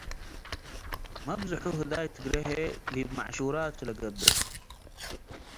መብዝሑ ህዳይ ትግሬ ህዬ ዲብ መዕሹረ” ቱ ለገብእ ።